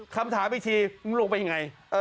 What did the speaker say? คำถามวิธีมันลงไปยังไง